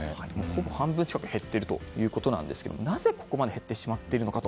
ほぼ半分近く減っているということなんですがなぜ、ここまで減ってしまっているのか。